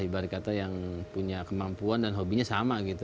ibari kata yang punya kemampuan dan hobinya sama gitu